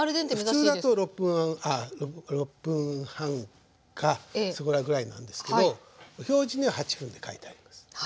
これは普通だと６分半かそこらぐらいなんですけど表示には８分って書いてあります。